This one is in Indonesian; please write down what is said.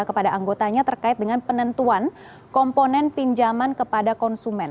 kepada anggotanya terkait dengan penentuan komponen pinjaman kepada konsumen